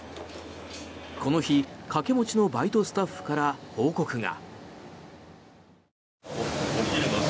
この日、掛け持ちのバイトスタッフから報告が。